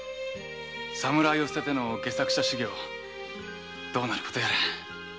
侍を棄てて戯作者修行どうなることやら。